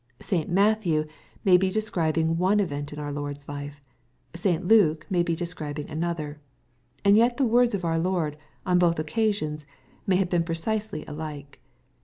— St. Matthew may be describing one event in our Lord's life. St. Luke may be describing another. And yet the words of our Lord, on both occasions, may have been precisely alike.